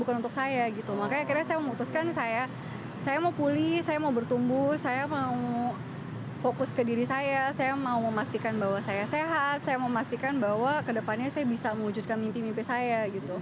bukan untuk saya gitu makanya akhirnya saya memutuskan saya saya mau pulih saya mau bertumbuh saya mau fokus ke diri saya saya mau memastikan bahwa saya sehat saya memastikan bahwa kedepannya saya bisa mewujudkan mimpi mimpi saya